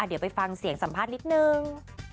เดี๋ยวไปฟังเสียงสัมภาษณ์นิดนึง